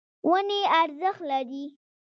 ونې ارزښت لري.